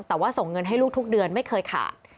แต่ว่าส่งเงินให้ลูกทุกเดือนไม่เคยขาด